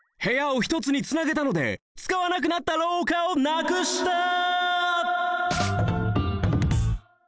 部屋をひとつにつなげたのでつかわなくなったろうかをなくした！